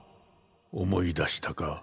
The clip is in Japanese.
思い出したか？